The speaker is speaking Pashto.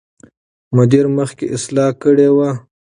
مدیر مخکې اصلاح کړې وه.